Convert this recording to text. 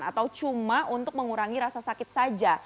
atau cuma untuk mengurangi rasa sakit saja